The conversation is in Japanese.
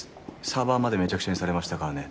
サーバーまでめちゃくちゃにされましたからね。